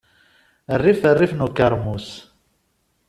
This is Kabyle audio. Rrif rrif n ukeṛmus.